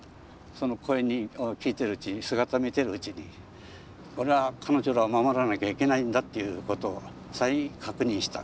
その声を聞いてるうちに姿見てるうちに俺は彼女らを守らなきゃいけないんだっていうことを再確認した。